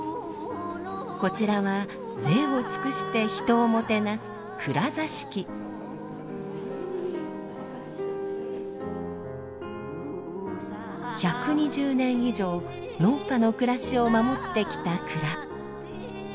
こちらは贅を尽くして人をもてなす１２０年以上農家の暮らしを守ってきた蔵。